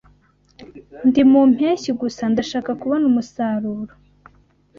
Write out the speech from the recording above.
Ndi mu mpeshyi gusa ndashaka kubona umusaruro